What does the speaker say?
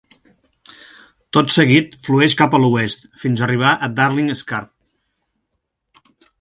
Tot seguit flueix cap a l'oest fins a arribar a Darling Scarp.